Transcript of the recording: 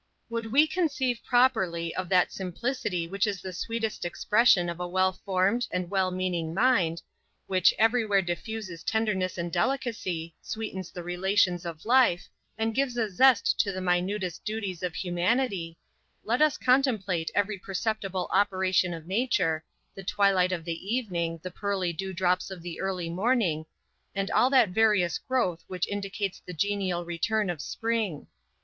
Would we conceive properly of that simplicity which is the sweetest expression of a well informed and well meaning mind, which every where diffuses tenderness and delicacy, sweetens the relations of life, and gives a zest to the minutest duties of humanity, let us contemplate every perceptible operation of nature, the twilight of the evening, the pearly dew drops of the early morning, and all that various growth which indicates the genial return of spring.